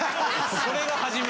それが初め？